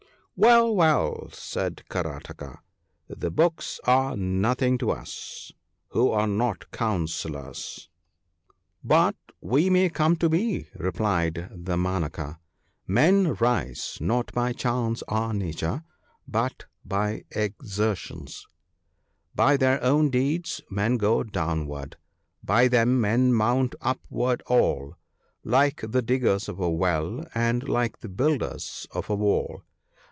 * Well, well !' said Karataka ;' the books are nothing to us, who are not councillors.' ' But we may come to be/ replied Damanaka ;' men rise, not by chance or nature, but by exertions, —" By their own deeds men go downward, by them men mount up ward all, Like the diggers of a well, and like the builders of a wall."